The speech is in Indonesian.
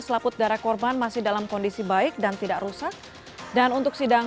selaput darah korban masih dalam kondisi baik dan tidak rusak dan untuk sidang